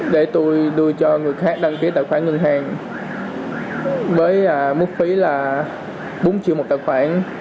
để tôi đưa cho người khác đăng ký tài khoản ngân hàng với mức phí là bốn triệu một tài khoản